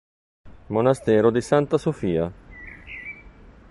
Monastero di Santa Sofia